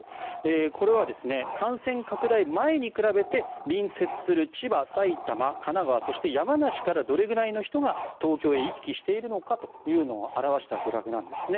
これは感染拡大前に比べて隣接する千葉、埼玉、神奈川そして、山梨からどれくらいの人が東京に行き来しているのかを表したグラフなんですね。